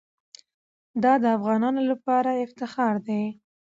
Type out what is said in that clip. دا د افغانانو لپاره افتخار دی.